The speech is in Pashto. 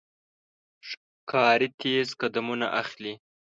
ښکاري تیز قدمونه اخلي.